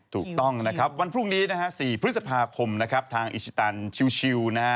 ถูกต้องนะครับวันพรุ่งนี้๔พฤษภาคมทางอีชิตันชิวนะ